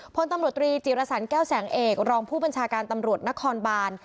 พลตำรวจตรีจิรสันแก้วแสงเอกรองผู้บัญชาการตำรวจนครบาน